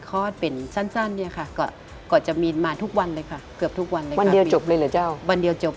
กรูผู้สืบสารล้านนารุ่นแรกแรกรุ่นเลยนะครับผม